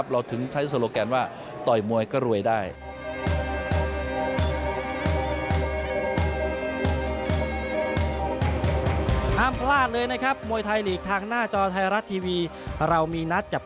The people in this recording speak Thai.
เราถึงใช้โซโลแกนว่าต่อยมวยก็รวยได้